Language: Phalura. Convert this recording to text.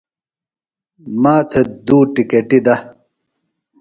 ما تھےۡ دُو ٹکیٹِیۡ دہ ـ